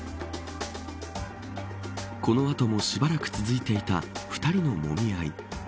この後も、しばらく続いていた２人のもみ合い。